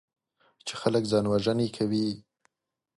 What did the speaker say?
چې خلک ځانوژنې کوي.